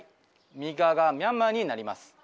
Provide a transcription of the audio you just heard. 右側がミャンマーとなります。